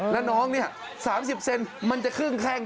แล้วน้องนี่๓๐เซนติเซนติมันจะเครื่องแข้ง